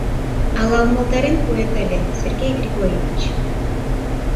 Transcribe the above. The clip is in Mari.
Ала умылтарен пуэт ыле, Сергей Григорьевич?